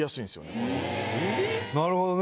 なるほどね！